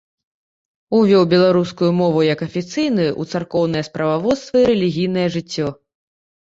Увёў беларускую мову як афіцыйную ў царкоўнае справаводства і рэлігійнае жыццё.